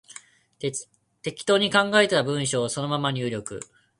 適当に考えた文章をそのまま入力